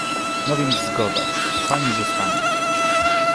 — No, więc zgoda, pani zostanie.